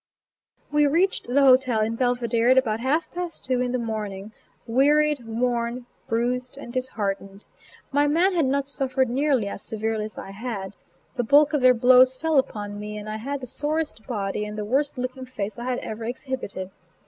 We reached the hotel in Belvidere at about half past two o'clock in the morning, wearied, worn, bruised and disheartened. My man had not suffered nearly as severely as I had; the bulk of their blows fell upon me, and I had the sorest body and the worst looking face I had ever exhibited.